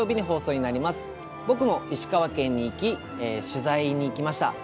僕も石川県に取材に行きました。